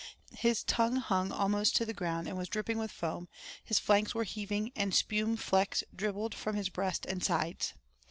His tongue hung almost to the ground and was dripping with foam, his flanks were heaving and spume flecks dribbled from his breast and sides.